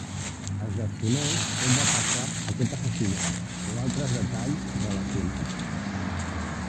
Es desconeix on va passar aquest assassinat o altres detalls relacionats.